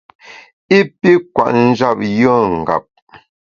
I pi kwet njap yùe ngap.